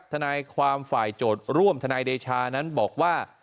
ทนายความฝ่ายโจทย์ร่วมทนายเดชานั้นบอกว่า